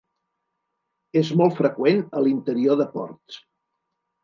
És molt freqüent a l'interior de ports.